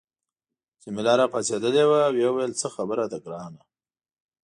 جميله راپاڅیدلې وه او ویې ویل څه خبره ده ګرانه.